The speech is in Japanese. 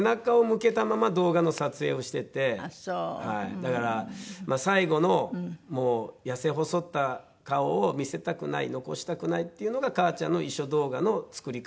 だから最後の痩せ細った顔を見せたくない残したくないっていうのが母ちゃんの遺書動画の作り方なのかなとか。